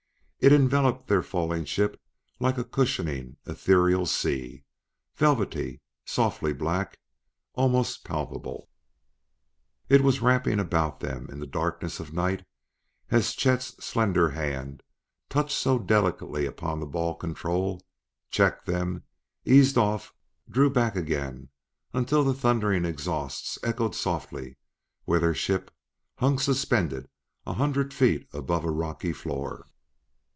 It enveloped their falling ship like a cushioning, ethereal sea: velvety, softly black, almost palpable. It was wrapping them about in the darkness of night as Chet's slender hand touched so delicately upon the ball control checked them, eased off, drew back again until the thundering exhausts echoed softly where their ship hung suspended a hundred feet above a rocky floor.